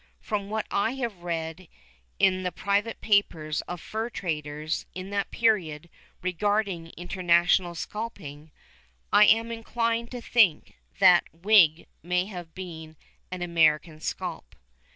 From what I have read in the private papers of fur traders in that period regarding international scalping, I am inclined to think that wig may have been an American scalp.